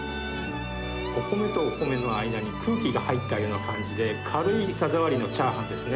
お米とお米の間に空気が入ったような感じで、軽い舌触りのチャーハンですね。